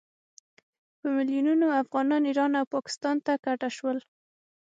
په میلونونو افغانان ایران او پاکستان ته کډه شول.